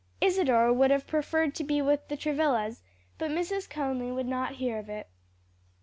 Isadore would have preferred to be with the Travillas, but Mrs. Conly would not hear of it.